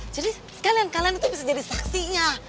jadi kalian kalian itu bisa jadi saksinya